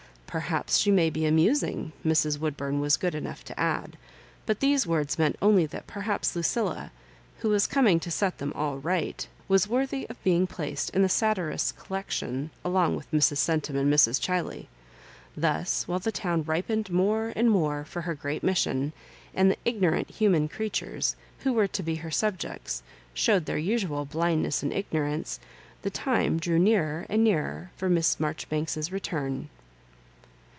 *' Perhaps she may be amusing," Mrs. Woodbum was good enough to add ; but these words meant only that perhaps Lucilla, who was oommg to set them all right, was wor thy of being placed in the saturist's collection along with Mrs. Centum and Mrs. Chiley. Thus, while the town ripened more and more for her great mission, and the ignorant human creatures, who were to be her subjects, showed their usual blindness and ignorance, the time drew nearer and nearer for Miss Maijoribanks's return.